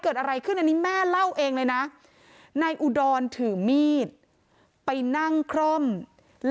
เกิดอะไรขึ้นอันนี้แม่เล่าเองเลยนะนายอุดรถือมีดไปนั่งคร่อม